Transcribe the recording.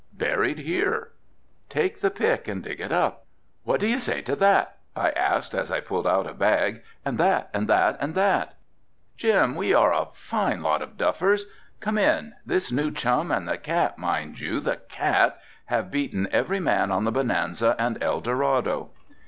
"Buried there." "Take the pick and dig it up." "What do you say to that," I asked as I pulled out a bag, "and that and that and that." "Jim, we are a fine lot of duffers, come in, this new chum and the cat, mind you the cat, have beaten every man on the Bonanza and Eldorado."